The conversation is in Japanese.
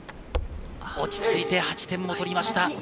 落ち着いて８点を取りました。